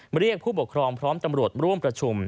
เรียกผู้ปกครองพร้อมตำรวจร่วมประชุม